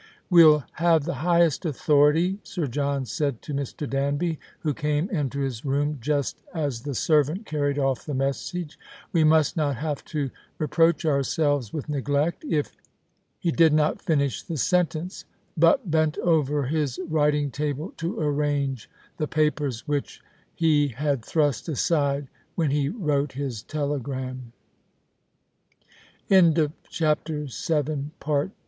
"We'll have the highest authority," Sir John said to Mr. Danby, who came into his room just as the servant carried oif the message. " We must not have to reproach ourselves with neglect, if " He did not finish the sentence, but bent over his writing table to arrange the papers which he had thrust aside when he wrote h